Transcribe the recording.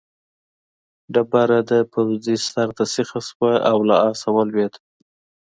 ډبره د پوځي سر ته سیخه شوه او له آسه ولوېد.